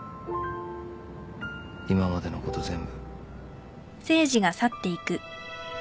今までのこと全部。